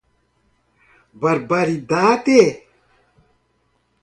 Barbaridade